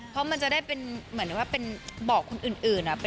เพราะมันจะได้เป็นเหมือนว่าเป็นบอกคนอื่น